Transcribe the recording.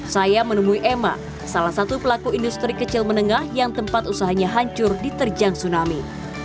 saya menemui emma salah satu pelaku industri kecil menengah yang tempat usahanya hancur diterjang tsunami